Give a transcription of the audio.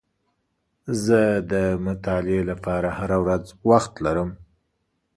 زه د مطالعې لپاره هره ورځ وخت لرم.